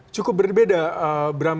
cukup berbeda bram